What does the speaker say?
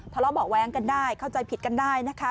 ทะเลาะเบาะแว้งกันได้เข้าใจผิดกันได้นะคะ